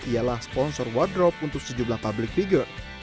ialah sponsor wardrop untuk sejumlah public figure